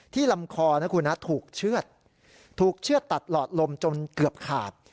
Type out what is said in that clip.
ลำคอนะคุณนะถูกเชื่อดถูกเชื่อดตัดหลอดลมจนเกือบขาด